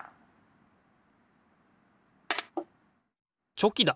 チョキだ！